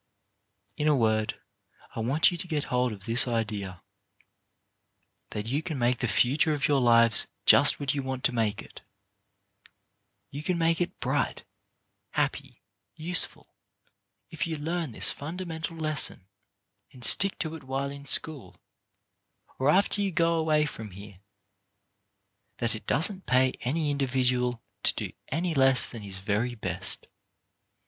In a word, I want you to get hold of this idea, that you can make the future of your lives just what you want to make it. You can make it bright, happy, useful, if you learn this funda mental lesson, and stick to it while in school, or after you go away from here, that it doesn't pay HAVE YOU DONE YOUR BEST? 49 any individual to do any less than his very best.